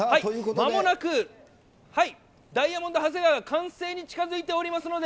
まもなくダイヤモンド長谷川が完成に近づいておりますので。